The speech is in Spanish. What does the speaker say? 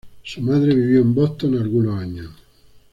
Su madre vivió en Boston algunos años.